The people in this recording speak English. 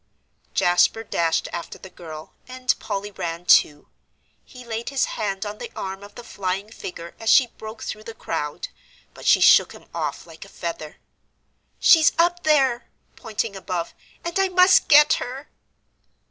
Jasper dashed after the girl, and Polly ran, too. He laid his hand on the arm of the flying figure as she broke through the crowd, but she shook him off like a feather. "She's up there," pointing above, "and I must get her."